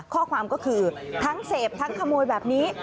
ข้อความก็คือทั้งเสพทั้งขโมยแบบนี้